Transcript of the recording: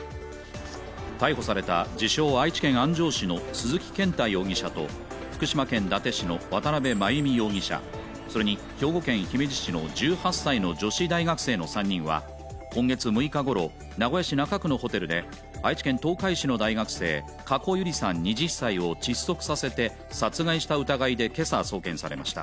逮捕された自称・愛知県安城市の鈴木健太容疑者と福島県伊達市の渡邉真由美容疑者、それに兵庫県姫路市の１８歳の女子大学生の３人は今月６日ごろ名古屋市中区のホテルで愛知県東海市の大学生、加古結莉さん２０歳を窒息させて殺害された疑いで今朝送検されました。